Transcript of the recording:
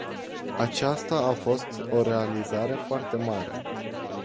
Aceasta a fost o realizare foarte mare.